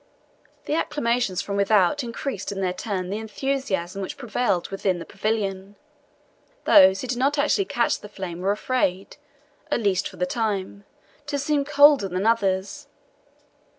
The acclamations from without increased in their turn the enthusiasm which prevailed within the pavilion. Those who did not actually catch the flame were afraid at least for the time to seem colder than others.